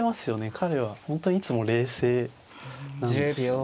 彼は本当にいつも冷静なんですよね。